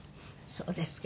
そうですか。